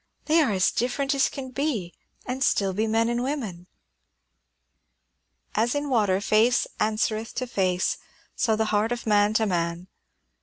They are as different as they can be, and still be men and women." "'As in water face answereth to face, so the heart of man to man.'